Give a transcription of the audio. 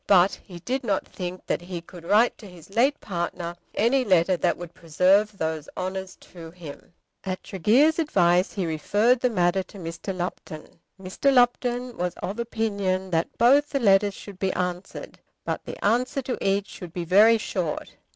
But he did not think that he could write to his late partner any letter that would preserve those honours to him. At Tregear's advice he referred the matter to Mr. Lupton. Mr. Lupton was of opinion that both the letters should be answered, but that the answer to each should be very short.